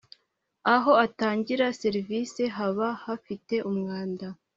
aho atangira serivisi haba hafite umwanda